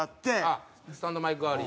あっスタンドマイク代わり。